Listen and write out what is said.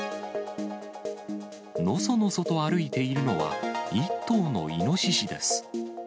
のそのそと歩いているのは、１頭のイノシシです。